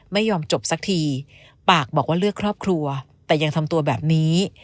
ไม่ยอมจบสักทีปากบอกว่าเลือกครอบครัวแต่ยังทำตัวแบบนี้